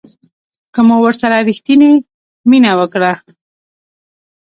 که مو ورسره ریښتینې مینه وکړه